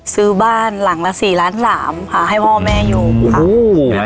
ซื้อบ้านหลังละสี่ล้านสามค่ะให้พ่อแม่อยู่ค่ะ